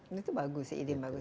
ini tuh bagus sih